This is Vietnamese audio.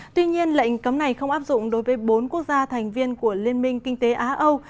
tuy nhiên lệnh cấm này không áp dụng đối với bốn quốc gia thành viên của liên minh kinh tế á âu